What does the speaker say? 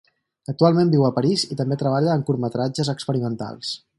Actualment viu a París i també treballa en curtmetratges experimentals.